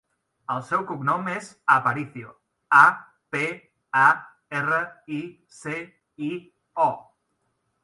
El seu cognom és Aparicio: a, pe, a, erra, i, ce, i, o.